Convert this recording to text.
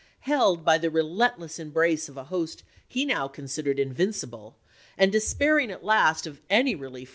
Held by Ppffc9™" the relentless embrace of a host he now considered invincible, and despairing at last of any relief 1863.